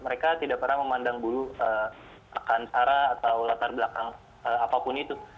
mereka tidak pernah memandang bulu akan sara atau latar belakang apapun itu